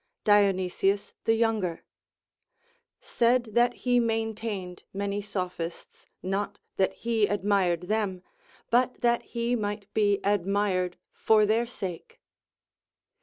Dionysius the Younger said that he maintained many Sophists ; not that he admired them, but that he might be admired for their sake.